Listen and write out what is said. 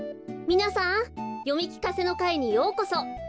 みなさんよみきかせのかいにようこそ。